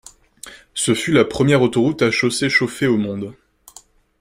Ce fut la première autoroute à chaussées chauffées au monde.